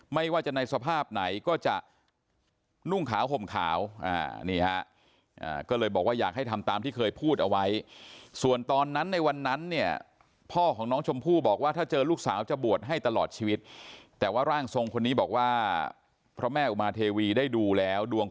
ไม่ว่าจะในสภาพไหนก็จะนุ่งเข้าห่มเข้า